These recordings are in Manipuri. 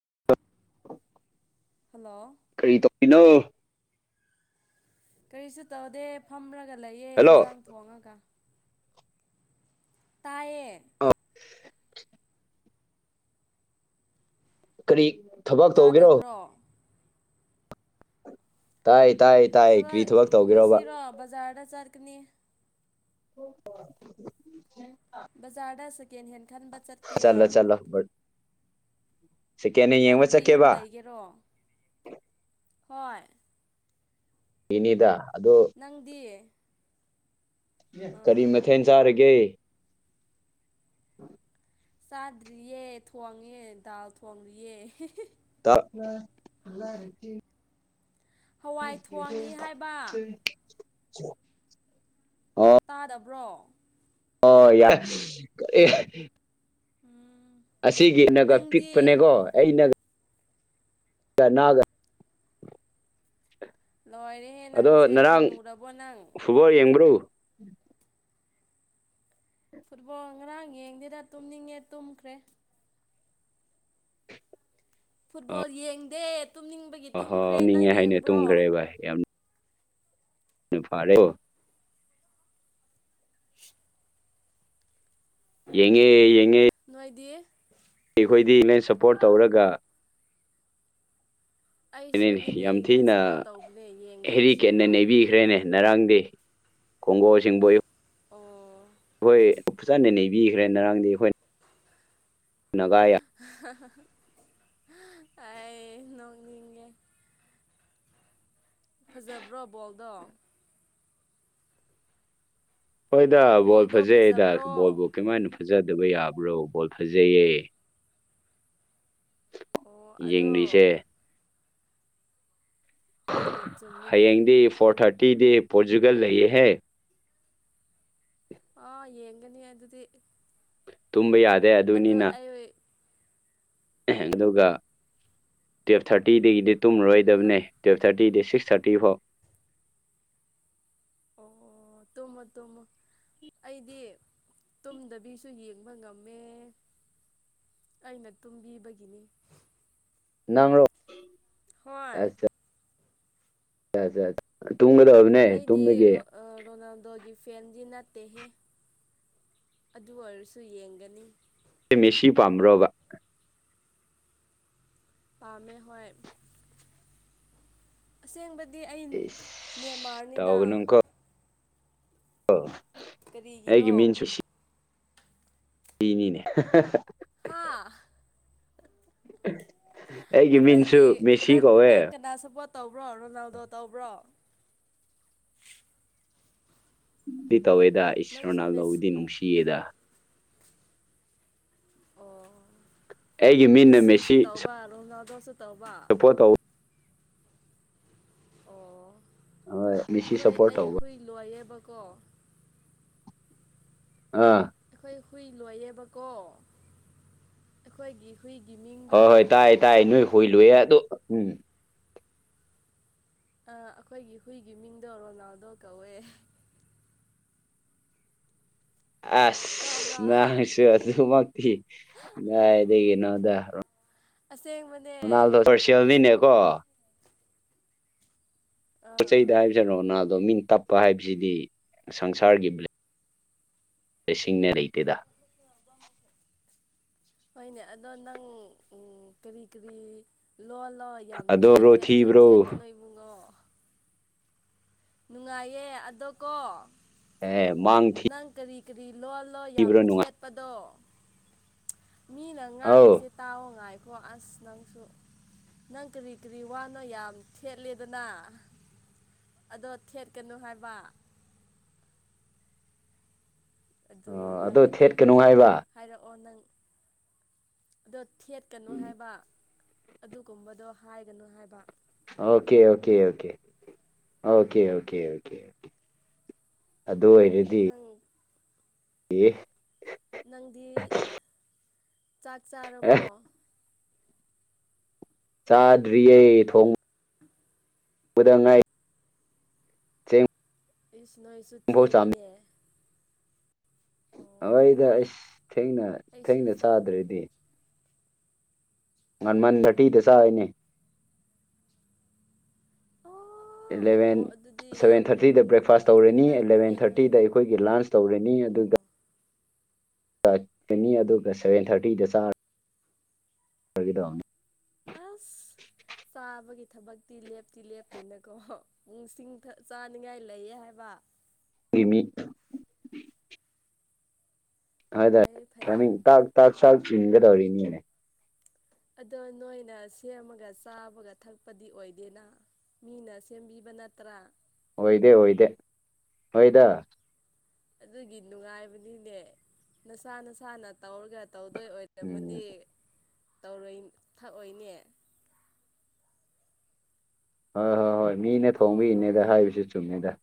[unintelligible] ꯍꯜꯂꯣ ꯀꯔꯤ ꯇꯧꯔꯤꯅꯣ ꯀꯔꯤꯁꯨ ꯇꯧꯗꯦ ꯐꯝꯔꯒ ꯂꯩꯌꯦ ꯍꯜꯂꯣ ꯏꯟꯁꯥꯡ ꯊꯣꯡꯉꯒ ꯇꯌꯦ ꯀꯔꯤ ꯊꯕꯛ ꯇꯧꯒꯦꯔꯣ ꯇꯥꯗꯕ꯭ꯔꯣ ꯇꯥꯏ ꯇꯥꯏ ꯇꯥꯏ ꯀꯔꯤ ꯊꯕꯛ ꯇꯧꯒꯦꯔꯕ ꯆꯔꯀꯅꯤ [unintelligible] ꯕꯖꯥꯔꯗ ꯁꯦꯀꯦꯟ ꯍꯦꯟ ꯈꯟꯕ ꯆꯠꯀꯦ ꯁꯤꯀꯦꯅ ꯌꯦꯡꯕ ꯅꯪꯗꯤ ꯌꯨꯝ ꯆꯠꯀꯦꯕ ꯂꯩꯒꯦꯔꯣ ꯍꯣꯏ ꯏꯅꯤꯗ ꯅꯪꯗꯤ ꯑꯥ ꯀꯔꯤ ꯃꯊꯦꯜ ꯆꯥꯔꯒꯦ ꯎꯝ ꯆꯥꯗ꯭ꯔꯤꯌꯦ ꯊꯣꯡꯉꯦ ꯗꯥꯎꯜ ꯊꯣꯡꯔꯤꯌꯦꯦ [unintelligible] ꯍꯋꯥꯏ ꯊꯣꯡꯉꯤ ꯍꯥꯏꯕ ꯎ ꯎ ꯇꯥꯗꯕ꯭ꯔꯣ ꯑ ꯌꯥꯔ ꯎꯝ ꯑꯁꯤꯒꯤꯅꯒ ꯅꯪꯗꯤ ꯄꯤꯛꯄꯅꯦꯀꯣ ꯑꯩꯅꯒ ꯒꯅꯥꯒ ꯂꯣꯏꯔꯦꯍꯦ ꯅꯪꯁꯦ ꯍꯟꯅꯨꯔꯕꯣ ꯅꯪ ꯎꯝ ꯐꯨꯠꯕꯣꯜ ꯉꯔꯥꯡ ꯌꯦꯡꯗꯦꯅ ꯇꯨꯝꯅꯤꯡꯉꯦ ꯇꯨꯝꯈ꯭ꯔꯦ ꯐꯨꯠꯕꯣꯜ ꯌꯦꯡꯗꯦ ꯇꯨꯝꯅꯤꯡꯕꯒꯤ ꯑ ꯍꯣꯏ ꯇꯨꯝꯈ꯭ꯔꯦ ꯅꯪ ꯇꯅꯤꯡꯉꯦ ꯍꯥꯏꯅꯦ ꯌꯦꯡꯕ꯭ꯔꯣ ꯇꯨꯝꯈ꯭ꯔꯦ ꯚ ꯌꯥꯝ ꯐꯥꯔꯦ ꯝ꯫꯫ ꯌꯦꯉꯦ ꯌꯦ ꯅꯣꯏꯗꯤ ꯑꯩꯈꯣꯏꯗꯤ ꯅꯦꯟ ꯁꯞꯄꯣꯔꯠ ꯇꯧꯔꯒ ꯑꯩꯁꯨꯅꯤꯅꯦ ꯌꯥꯝ ꯏꯪꯂꯦꯟ ꯊꯤꯅ ꯁꯞꯄꯣꯔꯠ ꯇꯧꯕꯅꯦ ꯌꯦꯡꯗ꯭ꯔꯁꯨ ꯍꯦꯔꯤꯀꯦꯠꯅ ꯅꯩꯕꯤꯈ꯭ꯔꯦꯅꯦ ꯉꯔꯥꯡꯗꯤ ꯀꯒꯣ ꯁꯤꯕꯣ ꯑꯣ ꯑꯩꯈꯣꯏ ꯐꯖꯅ ꯅꯩꯕꯤꯈ꯭ꯔꯦ ꯉꯔꯥꯡꯗꯤ ꯑꯩꯈꯣꯏ ꯅꯒ ꯑꯩ ꯅꯣꯛꯅꯤꯡꯉꯦ ꯐꯖꯕ꯭ꯔꯣ ꯕꯣꯜꯗꯣ ꯍꯣꯏꯗ ꯕꯣ ꯕꯣꯜꯗꯣ ꯐꯖꯩ ꯑꯩꯗ ꯐꯖꯕ꯭ꯔꯣ ꯕꯣꯜꯕꯨꯥꯎ ꯀꯃꯥꯏꯅ ꯐꯖꯗꯕ ꯌꯥꯕ꯭ꯔꯣ ꯕꯣꯜ ꯐꯖꯩꯌꯦ ꯑꯣ ꯑꯗꯣ ꯌꯦꯡꯂꯤꯁꯦ ꯍꯣꯏꯅꯦ ꯆꯨꯝꯃꯤꯅꯦ ꯍꯌꯦꯡꯗꯤ ꯐꯣꯔ ꯊꯥꯔꯇꯤꯗꯤ ꯄꯣꯔꯆꯨꯒꯜ ꯂꯩꯌꯦꯍꯦ ꯑ ꯌꯦꯡꯒꯅꯤ ꯑꯗꯨꯗꯤ ꯇꯨꯝꯕ ꯌꯥꯗ ꯑꯗꯣ ꯑꯩ ꯑꯗꯨꯒ ꯇꯨꯌꯦꯜꯞ ꯊꯥꯔꯇꯤꯗꯒꯤꯗꯤ ꯇꯨꯝꯃꯔꯣꯏꯗꯕꯅꯦ ꯇꯨꯌꯦꯜꯞ ꯊꯥꯔꯇꯤꯗꯤ ꯁꯤꯛꯁ ꯊꯥꯔꯇꯤ ꯐꯣ ꯑꯣ ꯇꯃ ꯇꯃ ꯑꯩꯗꯤ ꯇꯨꯝꯗꯕꯤꯁꯨ ꯌꯦꯡꯕ ꯉꯝꯃꯦ ꯑꯩꯅ ꯇꯨꯝꯕꯤꯕꯒꯤꯅꯤ ꯅꯅꯥꯪꯪꯔꯣ ꯍꯣꯏ ꯌꯥ ꯑꯩꯗꯤ ꯔꯣꯅꯥꯜꯗꯣꯒꯤ ꯐꯦꯟꯗꯤ ꯅꯠꯇꯦꯍꯦ ꯑꯗꯨ ꯑꯣꯏꯔꯁꯨ ꯌꯦꯡꯒꯅꯤ ꯃꯦꯁꯤꯤ ꯄꯝ꯭ꯔꯕ ꯄꯥꯝꯃꯦ ꯍꯣꯏ ꯑꯁꯦꯡꯕꯗꯤ ꯑꯩ ꯏ ꯅꯦꯃꯥꯔꯅꯤꯗ ꯇꯅꯣꯡꯀꯣ ꯑ ꯀꯔꯤꯒꯤꯔꯣ ꯏꯅꯤꯅꯦ ꯍꯥ ꯑꯩꯒꯤ ꯃꯤꯡꯁꯨ ꯑꯩꯈꯣꯏꯒꯤ ꯃꯦꯁꯤ ꯅꯪ ꯅꯪ ꯀꯧꯋꯦ ꯀꯅꯥ ꯁꯞꯄꯣꯔꯠ ꯇꯧꯕ꯭ꯔꯣ ꯔꯣꯅꯥꯜꯗꯣ ꯇꯧꯕ꯭ꯔꯣ ꯗꯤ ꯇꯧꯋꯦꯗ ꯅꯪꯁꯨ ꯏꯁ꯭ꯔꯣꯅ ꯃꯦꯁ ꯂꯧꯗꯤ ꯅꯨꯡꯁꯤꯌꯦꯗ ꯑꯣ ꯑꯩꯒꯤ ꯃꯤꯅ ꯃꯦꯁꯤ ꯁꯨ ꯇꯧꯕ ꯁꯞꯄꯣꯔꯠ ꯇꯧ ꯑꯣ ꯍꯣꯏ ꯃꯦꯁꯤ ꯑꯩꯈꯣꯏ ꯁꯞꯄꯣꯔꯠ ꯑꯩ ꯇꯧꯕ ꯍꯨꯏ ꯂꯣꯏꯌꯦꯕ ꯀꯣ ꯑꯥ ꯑꯩꯈꯣꯏ ꯍꯨꯏ ꯂꯣꯏꯌꯦꯕꯀꯣ ꯑꯩꯈꯣꯏꯒꯤ ꯍꯨꯏꯒꯤ ꯍꯣꯏ ꯃꯤꯡꯗꯣ ꯍꯣꯏ ꯇꯥꯏ ꯇꯥꯏ ꯅꯣꯏ ꯍꯨꯏ ꯂꯨꯑꯦ ꯑꯗꯣ ꯎꯝ ꯑꯩꯈꯣꯏꯒꯤ ꯍꯨꯏꯒꯤ ꯃꯤꯡꯗꯣ ꯔꯣꯅꯥꯜꯗꯣ ꯀꯧꯋꯦ ꯇꯥꯕ꯭ꯔꯥ ꯑꯁ ꯅꯪꯁꯨ ꯑꯗꯨꯃꯛꯇꯤ ꯥꯏ ꯀꯩꯅꯣꯗꯔꯣ ꯑꯁꯦꯡꯕꯅꯦ ꯃꯅꯥꯜꯗ ꯁꯔꯁꯤꯜꯅꯤꯅꯦꯀꯣ ꯄꯣꯠꯆ ꯑꯥ ꯆꯩꯗ ꯍꯥꯏꯕꯁꯤ ꯔꯣꯅꯥꯗꯣ ꯃꯤꯟ ꯇꯞꯄ ꯍꯥꯏꯕꯁꯤꯗꯤ ꯁꯪꯁꯥꯔꯒꯤ ꯕ꯭ꯂ ꯔꯦꯁꯤꯡꯅꯦ ꯂꯩꯇꯦꯗ ꯍꯣꯏꯅꯦ ꯑꯗꯣ ꯅꯪ ꯎ ꯀꯔꯤ ꯀꯔꯤ ꯂꯣ ꯂꯣꯑꯣ ꯌꯥꯝ ꯑꯗꯣ ꯔꯣ ꯊꯦꯠꯂꯦ ꯑꯗꯣ ꯊꯤꯕ꯭ꯔꯣ ꯊꯦꯠꯀꯅꯣ ꯏꯕꯨꯡꯉꯣ ꯅꯨꯡꯉꯥꯏꯌꯦ ꯑꯗꯣ ꯀꯣ ꯍ ꯅꯪ ꯀꯔꯤ ꯀꯔꯤ ꯂꯣꯜꯂꯣ ꯌꯥꯝ ꯊꯤꯕ꯭ꯔꯣ ꯅꯨꯡꯉꯥꯏ ꯊꯦꯠꯄꯗꯣ ꯃꯤꯅ ꯑꯧ ꯉꯥꯡꯉꯤꯁꯦ ꯇꯥꯎꯑꯣ ꯉꯥꯏꯈꯣ ꯑꯁ ꯅꯪꯁꯨ ꯅꯪ ꯀꯔꯤ ꯀꯔꯤ ꯋꯥꯅꯣ ꯌꯥꯝ ꯊꯦꯠꯂꯦꯗꯅ ꯑꯗꯣ ꯊꯦꯠꯀꯅꯨ ꯍꯥꯏꯕ ꯑꯗꯨ ꯑꯣ ꯑꯗꯣ ꯍꯥꯏꯒꯦ ꯊꯦꯠꯀꯅꯨ ꯇꯧꯕꯅꯦ ꯍꯥꯏꯕ ꯍꯥꯏꯔꯛꯑꯣ ꯅꯪ ꯑꯗꯣ ꯊꯦꯠꯀꯅꯨ ꯍꯥꯏꯕ ꯑꯗꯨꯒꯨꯝꯕꯗꯣ ꯍꯥꯏꯒꯅꯨ ꯍꯥꯏꯕ okay okay okay okay okay ꯑꯗꯨ ꯑꯣꯏꯔꯗꯤ ꯅꯪ ꯌꯦ ꯅꯪꯗꯤ ꯆꯥꯛ ꯆꯥꯔꯕꯣ ꯆꯥꯗꯔꯤꯌꯦ ꯊꯣꯡ ꯎꯗꯉꯥꯏ ꯆꯦꯡ ꯏꯁꯁꯨ ꯅꯣꯏꯁꯨ ꯐꯥꯎ ꯊꯦꯡꯉꯤꯅꯦ ꯑꯣ ꯍꯣꯏꯗ ꯑꯩꯁ ꯊꯦꯡꯅ ꯑꯩꯁꯨ ꯊꯦꯡꯅ ꯆꯥ ꯆꯥꯗ꯭ꯔꯗꯤ ꯉꯟꯃꯟ ꯇꯤꯗ ꯆꯅꯦ ꯑꯣ ꯏꯂꯚꯦꯟ ꯑꯣ ꯑꯗꯨꯗꯤ ꯌꯥꯝ ꯁꯚꯦꯟ ꯊꯥꯔꯇꯤꯗ ꯕ꯭ꯔꯦꯛꯐꯥꯁ ꯇꯧꯔꯅꯤ ꯉꯜꯂꯤꯌꯦ ꯑꯦꯂꯚꯦꯟ ꯊꯥꯔꯇꯤꯗ ꯅꯣꯏꯗꯤ ꯑꯩꯈꯣꯏꯒꯤ ꯂꯥꯟꯁ ꯇꯧꯔꯅꯤ ꯑꯣ ꯑꯗꯨꯒ ꯆꯥꯀꯅꯤ ꯑꯗꯨꯒ ꯁꯚꯦꯟ ꯊꯥꯔꯇꯤꯗ ꯆꯥꯔ ꯁꯗꯅꯤ ꯑꯁ ꯆꯥꯕ ꯊꯕꯛꯇꯤ ꯂꯦꯞꯇꯤ ꯂꯦꯞꯇꯦꯅꯀꯣꯁꯤꯡ ꯆꯥꯅꯤꯡꯉꯥꯏ ꯂꯩꯌꯦ ꯍꯥꯏꯕ ꯅꯪꯒꯤ ꯃꯤ ꯍꯥꯏ ꯐꯩꯌꯦ ꯐꯩꯌꯦ ꯇꯃꯤꯥꯛ ꯁꯥꯛ ꯏꯟꯒꯗꯧꯔꯤꯅꯤꯅꯦ ꯑꯗꯣ ꯅꯣꯏꯅ ꯁꯦꯝꯃꯒ ꯆꯥꯕꯒ ꯊꯛꯄꯗꯤ ꯑꯣꯏꯗꯦꯅ ꯃꯤꯅ ꯁꯦꯝꯕꯤꯕ ꯅꯠꯇ꯭ꯔꯥ ꯑꯣꯏꯣꯏꯗꯦ ꯑꯣꯏꯣꯏꯗꯦ ꯍꯣꯏꯗ ꯑꯗꯨꯒꯤ ꯅꯨꯡꯉꯥꯏꯕꯅꯤꯅꯦ ꯅꯁꯥ ꯅꯁꯥꯅ ꯇꯧꯔꯒ ꯇꯧꯗꯣꯏ ꯑꯣꯏꯔꯃꯗꯤ ꯎꯝ ꯇꯔ ꯊꯛꯑꯣꯏꯅꯦ ꯍꯣꯏ ꯍꯣꯏ ꯍꯣꯏ ꯃꯤꯅ ꯀꯣ ꯊꯣꯡꯕ ꯏꯅꯦꯗ ꯍꯥꯏꯁꯨ ꯆꯨꯝꯃꯦꯗ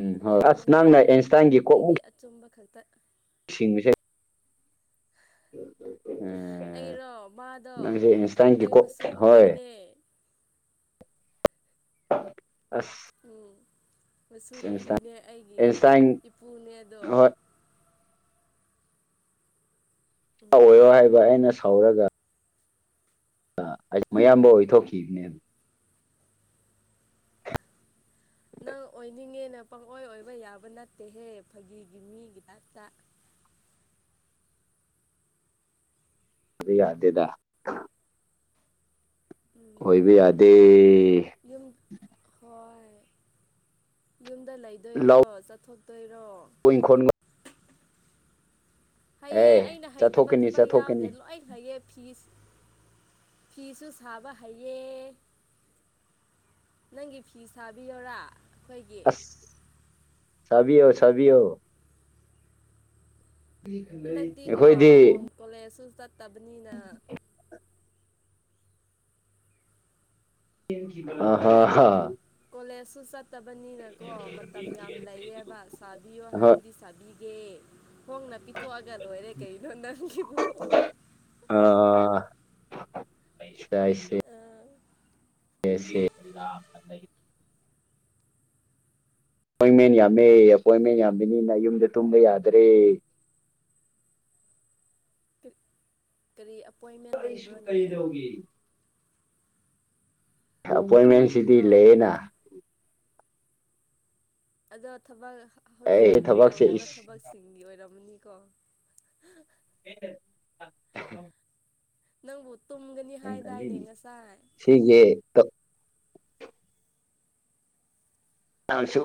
ꯎꯝ ꯍ ꯑꯁ ꯅꯪꯅ ꯑꯦꯟꯁꯇꯥꯏꯟꯒꯤ ꯑꯩꯗꯤ ꯀꯣꯛꯃ ꯑꯆꯨꯝꯕ ꯈꯛꯇ ꯏꯁꯤꯡꯕꯁ [unintelligible] ꯎꯝ ꯑꯩꯔꯣ ꯃꯥꯗꯣ ꯅꯪꯁꯦ ꯑꯩ ꯑꯦꯟꯁꯇꯥꯏꯟꯒꯤꯀꯣ ꯃꯁꯨ ꯍꯣꯏ ꯅꯨꯄꯤꯅꯦ ꯑꯁ ꯎꯝ ꯃꯁꯨ ꯑꯦꯟꯁꯇꯥꯏꯟ ꯅꯨꯄꯤꯅꯦ ꯑꯩꯒꯤ ꯑꯦꯟꯁꯇꯥꯏꯟ ꯏꯄꯨꯅꯦꯗꯣ ꯍꯣꯏ ꯑꯣꯏꯌꯣ ꯎꯝ ꯍꯥꯏꯕ ꯑꯩꯅ ꯁꯥꯎꯔꯒ ꯃꯌꯥꯝꯕ ꯑꯣꯏꯊꯣꯛꯈꯤꯕꯅꯦꯕ ꯅꯪ ꯑꯣꯏꯅꯤꯡꯉꯦꯅꯦ ꯄꯪꯑꯣꯏ ꯑꯣꯏꯕ ꯌꯥꯕ ꯅꯠꯇꯦꯍꯦ ꯐꯥꯒꯤꯒꯤ ꯃꯤꯒꯤꯤꯗꯥꯛꯛꯇ ꯑꯗꯨ ꯌꯥꯗꯦꯗ ꯎꯝ ꯑꯣꯏꯣꯏꯕ ꯌꯥꯗꯦ ꯌꯨꯝ ꯍꯣꯏ ꯌꯨꯝꯗ ꯂꯩꯗꯣꯏꯔꯣ ꯆꯠꯊꯣꯛꯇꯣꯏꯔꯣ ꯑꯩꯤꯡꯈꯣꯟꯒ ꯍꯩꯌꯦꯦ ꯑꯦ ꯑꯩꯅ ꯍꯩꯇꯕ ꯆꯠꯊꯣꯛꯀꯅꯤ ꯊꯕꯛ ꯌꯥꯎꯗꯦ ꯆꯠꯊꯣꯛꯀꯅꯤ ꯂꯣꯏꯅ ꯍꯩꯌꯦ ꯐꯤꯁ ꯐꯤꯁꯨꯨ ꯁꯥꯕ ꯍꯥꯏꯌꯦ ꯅꯪꯒꯤ ꯐꯤ ꯁꯥꯕꯤꯌꯔꯥ ꯑꯩꯈꯣꯏꯒꯤ ꯁꯕꯤ ꯁꯕꯤꯌ ꯍꯟꯗꯛꯇꯤ ꯀꯣ ꯎꯝ ꯑꯩꯈꯣꯏꯗꯤ ꯀꯣꯂꯦꯖꯁꯨ ꯆꯠꯇꯕꯅꯤꯅ ꯑ ꯍ ꯍ ꯀꯣꯂꯦꯖꯁꯨ ꯆꯠꯇꯕꯅꯤꯅꯀꯣ ꯃꯇꯝ ꯌꯥꯝ ꯂꯩꯌꯦꯕ ꯁꯥꯕꯤꯌꯣ ꯍꯣꯏ ꯍꯥꯏꯔꯗꯤ ꯁꯥꯕꯤꯒ ꯌꯦꯦ ꯍꯣꯡꯅ ꯄꯤꯊꯣꯛꯑꯒ ꯂꯣꯏꯔꯦ ꯀꯩꯅꯣ ꯅꯪꯒꯤꯕꯨ ꯑꯩꯁ ꯑꯩꯁꯦ ꯑꯥ ꯀꯁ ꯑꯦꯄꯣꯏꯟꯃꯦꯟ ꯌꯥꯝꯃꯦ ꯑꯦꯄꯣꯏꯟꯃꯦꯟ ꯌꯥꯝꯕꯅꯤꯅ ꯌꯨꯝꯗ ꯇꯨꯝꯕ ꯌꯥꯗ꯭ꯔꯦ ꯀ ꯀꯔꯤ ꯑꯄꯣꯏꯟꯃꯦꯟ ꯑꯩꯁꯨ ꯂꯩꯕ꯭ꯔꯣꯅꯦ ꯀꯩꯗꯧꯒꯦ ꯑꯦꯄꯣꯏꯟꯃꯦꯟꯁꯤꯗꯤ ꯊꯕꯛꯀꯤꯔꯣ ꯂꯩꯌꯦꯅ ꯑꯗꯣ ꯊꯕꯛ ꯍꯧꯖꯤꯛ ꯑꯩ ꯍꯧꯖꯤꯛ ꯊꯕꯛꯁꯦ ꯇꯧꯔꯤꯕ ꯏꯁ ꯊꯕꯛꯁꯤꯡꯒꯤ ꯑꯣꯏꯔꯝꯅꯤ ꯀꯣ [unintelligible] ꯅꯪꯕꯨ ꯇꯨꯝꯒꯅꯤ ꯍꯥꯏꯗꯥꯏꯅꯦ ꯉꯁꯥꯏ ꯍꯤꯒꯦ ꯇ ꯇꯥꯡꯁꯨ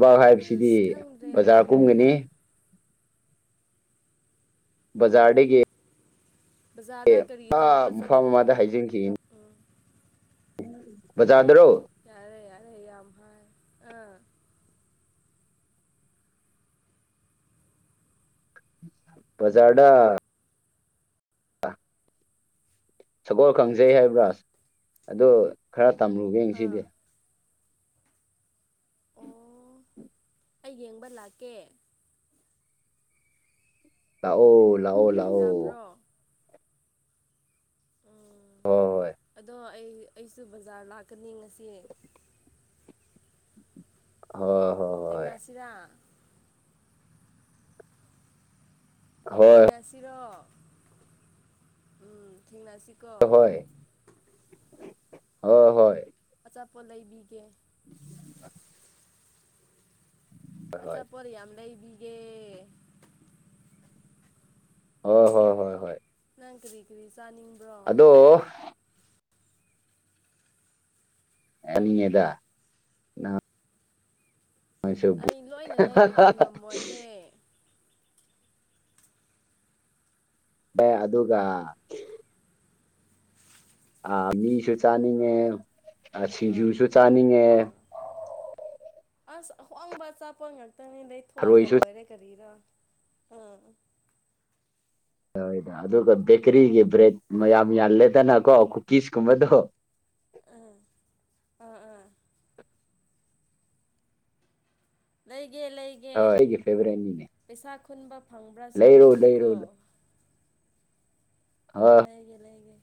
ꯕꯥꯛ ꯍꯥꯏꯕꯁꯤꯗꯤ ꯑꯁ ꯈꯪꯗ꯭ꯔꯦꯗ ꯕꯖꯥꯔ ꯀꯨꯝꯒꯅꯤ ꯊꯜ ꯎꯝ ꯖꯥꯔꯦꯒꯦ ꯕꯖꯥꯔꯗ ꯑꯦ ꯀꯔꯤ ꯍꯥꯥ ꯇꯧꯕ ꯆꯠ ꯃꯐꯥ ꯃꯃꯗ ꯍꯥꯏꯖꯤꯡꯈꯤ ꯎꯝ ꯆꯥꯥꯗ꯭ꯔꯣ ꯌꯥꯔꯦ ꯌꯥꯔꯦ ꯌꯥꯝꯐꯥꯏ ꯑꯥ ꯄꯖꯥꯗꯥ ꯁꯒꯣꯜ ꯈꯪꯖꯩ ꯍꯥꯏꯕ꯭ꯔꯥꯖ ꯑꯗꯨ ꯈꯔ ꯇꯝꯂꯨꯒꯦ ꯑꯥ ꯁꯤꯗꯤ ꯑꯣ ꯑꯩ ꯌꯦꯡꯕ ꯂꯥꯛꯀꯦ ꯂꯑꯣ ꯂꯑꯣ ꯂꯑꯣ ꯌꯥꯕ꯭ꯔꯣ ꯎꯝ ꯍꯣꯏ ꯑꯗꯣ ꯑꯩ ꯑꯩꯁꯨ ꯕꯖꯥꯔ ꯂꯥꯛꯀꯅꯤ ꯉꯁꯤ ꯍꯣꯏ ꯊꯦꯡꯦꯡꯅꯁꯤꯔ ꯍꯣꯏ ꯊꯦꯡꯅꯁꯤꯔꯣ ꯎꯝ ꯊꯦꯡꯅꯁꯤꯀꯣ ꯑꯣ ꯍꯣꯏ ꯆꯞꯄ ꯂꯩꯕꯤꯒꯦ ꯎ ꯑꯆꯥꯄꯣꯔꯤ ꯌꯥꯝ ꯑꯃ ꯂꯩꯕꯤꯒꯦ ꯍ ꯍꯣꯏ ꯍꯣꯏ ꯍꯣꯏ ꯅꯪ ꯀꯔꯤ ꯀꯔꯤ ꯆꯥꯅꯤꯡꯕ꯭ꯔꯣ ꯑꯗꯣ ꯑꯅꯤꯉꯗꯗ ꯑꯩ ꯂꯣꯏꯅ ꯂꯩꯕꯗꯤ ꯉꯝꯃꯣꯏꯍꯦ ꯑꯦ ꯑꯗꯨꯒ ꯑ ꯃꯤꯁꯨ ꯆꯥꯅꯤꯡꯉꯦ ꯑꯥ ꯁꯤꯡꯖꯨꯁꯨ ꯆꯥꯅꯤꯡꯉꯦ ꯑꯥ ꯑꯁ ꯑꯍꯣꯡꯕ ꯑꯆꯥꯄ ꯉꯥꯛꯇꯅꯤ ꯂꯩꯩꯊꯣꯛꯑꯒ ꯊꯔꯣꯏꯁꯨ ꯂꯣꯏꯔꯦ ꯀꯔꯤꯔꯣ ꯎꯝ ꯍꯣꯏ ꯑꯗꯨꯒ ꯕꯦꯀꯔꯤꯒꯤ ꯕ꯭ꯔꯦꯗ ꯃ ꯌꯥꯝ ꯌꯥꯜꯂꯦꯗꯅꯀꯣ ꯀꯨꯀꯤꯁꯀꯨꯝꯕꯗꯣ ꯑꯥ ꯑꯥ ꯑꯥ ꯂꯩ ꯂꯩꯒꯦ ꯂꯩꯒꯦ ꯍꯣꯏ ꯑꯩꯒꯤ ꯐꯦꯚꯣꯔꯥꯏꯠꯅꯤꯅꯦ ꯄꯩꯁꯥ ꯈꯨꯟꯕ ꯐꯪꯕ꯭ꯔꯥꯁꯨ ꯂꯩꯔꯣ ꯌꯦꯡꯀꯣ ꯂꯩꯔꯣ ꯍꯣꯏ ꯂꯩꯒꯦ ꯂꯩꯒꯦ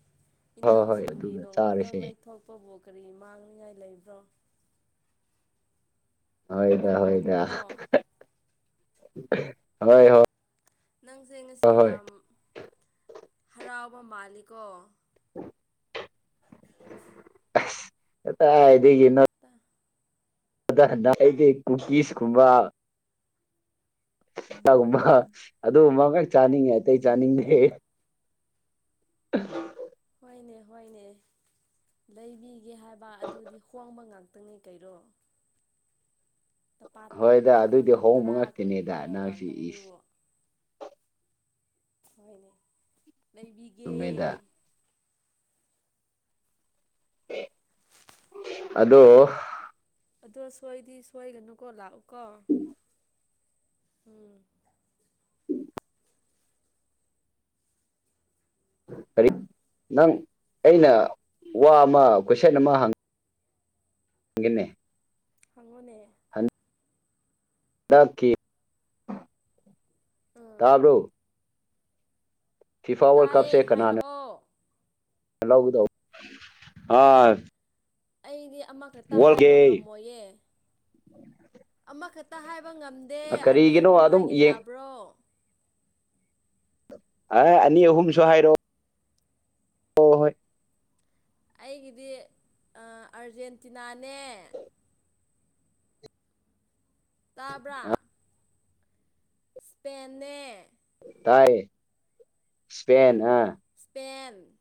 ꯍꯣꯏ ꯍꯣꯏ ꯏꯅꯥꯎꯁꯤꯡꯒꯤ ꯑꯗꯨꯒ ꯅꯣꯡ ꯐꯥꯗꯣꯛ ꯆꯥꯔꯁꯦ ꯂꯩꯊꯣꯛꯄꯕꯨ ꯀꯔꯤ ꯃꯥꯡꯅꯤꯡꯉꯥꯏ ꯂꯩꯕ꯭ꯔꯥ ꯍꯣꯏꯗ ꯍꯣꯏꯗ ꯀꯣ ꯍꯣꯏ ꯍꯣꯏ ꯅꯪꯁꯦ ꯉꯁꯤ ꯍꯣꯏ ꯍꯣꯏ ꯌꯥꯝ ꯍꯔꯥꯎꯕ ꯃꯥꯜꯂꯤꯀꯣ ꯑꯦ ꯇꯗꯅ ꯑꯗꯤ ꯀꯨꯀꯁ ꯀꯨꯝꯕ ꯒꯨꯝꯕ ꯑꯗꯨꯒꯨꯝꯕꯈ ꯆꯥꯅꯤꯡꯉꯦ ꯑꯇꯩ ꯆꯥꯅꯤꯡꯗꯦ [unintelligible] ꯍꯣꯏꯅꯦ ꯍꯣꯏꯅꯦ ꯂꯩꯕꯤꯒꯦ ꯍꯥꯏꯕ ꯑꯗꯨꯗꯤ ꯍꯣꯡꯕ ꯉꯝꯗꯦ ꯇꯪꯉ ꯀꯩꯔꯣ ꯂꯄꯥꯠ ꯍꯣꯏꯗ ꯀꯨꯟ ꯑꯗꯨꯏꯗꯤ ꯑꯍꯣꯡꯕ ꯇꯔꯥ ꯀꯨꯟ ꯉꯥꯛꯇꯤꯅꯦꯗ ꯄꯤꯕ ꯅꯍꯪꯁꯤ ꯏꯁꯤ ꯉꯥꯛꯇꯪꯗꯨ ꯍꯣꯏꯅꯦ ꯂꯩꯕꯤꯒꯦ ꯆꯨꯝꯃꯦꯗ ꯑꯗꯣ ꯑꯗꯣ ꯁꯣꯏꯗꯤ ꯁꯣꯏꯒꯅꯨꯀꯣ ꯂꯥꯛꯎ ꯀꯣ ꯎꯝ ꯎꯝ ꯀꯔꯤ ꯅꯪ ꯑꯩꯅ ꯋꯥ ꯑꯃ ꯀꯣꯏꯁꯟ ꯑꯃ ꯍꯪꯉ ꯟꯅꯅꯦ ꯍꯪꯉꯣꯅꯦ ꯑꯥ ꯇꯥꯔꯣ ꯇꯥꯏꯌꯦ ꯍꯥꯏꯔꯛꯑꯣ ꯍꯂ ꯀꯗ ꯑꯥ ꯑꯩꯗꯤ ꯑꯃꯈꯛꯇ ꯍꯥꯏꯕ ꯉꯝꯃꯣꯏꯌꯦ ꯎ ꯑꯃꯈꯛꯇ ꯍꯥꯏꯕ ꯉꯝꯗꯦ ꯑꯅꯤ ꯀꯔꯤꯒꯤꯅꯣ ꯑꯍꯨꯝ ꯑꯗꯨꯝ ꯍꯥꯏꯒꯦ ꯌꯦꯡ ꯌꯥꯕ꯭ꯔꯣ ꯑ ꯑꯅꯤ ꯑꯍꯨꯝꯁꯨ ꯍꯥꯏꯔꯣ ꯍ ꯍꯣꯏ ꯑꯩꯒꯤꯗꯤ ꯑꯔꯖꯦꯟꯇꯤꯅꯥꯅꯦ ꯇꯥꯕ꯭ꯔꯥ ꯑ ꯏꯁꯄꯦꯟꯅꯦ ꯇꯥꯏ ꯏꯁꯄꯦꯟꯦꯟ ꯑ ꯏꯁꯄꯦꯟ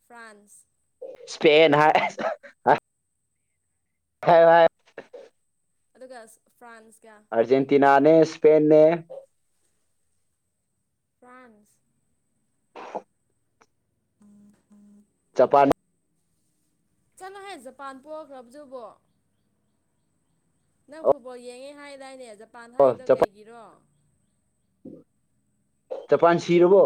ꯐ꯭ꯔꯥꯟꯁ ꯁꯄꯦꯦꯟ ꯍꯥꯏ ꯍ ꯍ ꯑꯗꯨꯒ ꯐ꯭ꯔꯥꯟꯁ ꯑꯔꯖꯦꯟꯇꯤꯅꯥꯅꯦ ꯏꯁꯄꯦꯟꯅꯦ ꯐ꯭ꯔꯥꯟꯁ ꯖꯄꯥꯟ ꯆꯠꯂꯣ ꯍꯥꯏꯌꯦ ꯖꯄꯥꯟ ꯄꯣꯛꯈ꯭ꯔꯕꯗꯨꯕꯣ ꯅꯪ ꯐꯨꯠꯕꯣꯜ ꯌꯦꯡꯉꯦ ꯍꯥꯏꯗꯥꯏꯅꯦ ꯖꯄꯥꯟ ꯍꯥꯏꯔꯤꯗꯣ ꯀꯩꯒꯤꯔꯣ ꯆ ꯄꯥꯟ ꯁꯤꯔꯔꯕꯣ